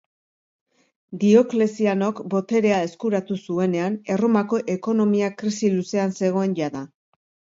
Dioklezianok boterea eskuratu zuenean, Erromako ekonomia krisi luzean zegoen jada.